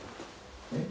えっ？